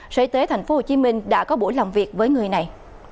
sở y tế tp hcm đã có buổi làm việc với người này